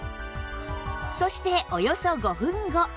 そしておよそ５分後